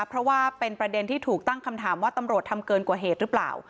เพราะว่าเป็นประเด็นที่ถูกตั้งคำถามว่าตำรวจทำเกินกว่าเหตุหรือเปล่า